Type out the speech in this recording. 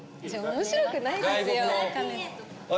面白くないですよ